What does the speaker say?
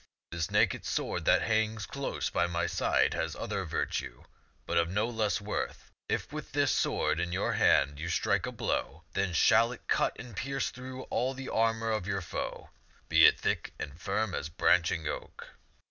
" This naked sword that hangs close by my side has other virtue, but of no less worth. If with this sword in your hand you strike a blow, then shall it cut and pierce through all the armor of your foe, be it thick and firm as a branching oak.